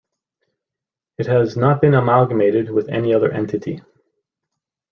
It has not been amalgamated with any other entity.